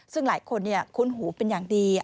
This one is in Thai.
ซึ่งหลายคนคุ้นหูเป็นอย่างดี